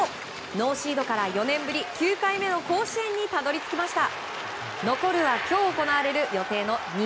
ノーシードから４年ぶり９回目の甲子園にたどり着きました。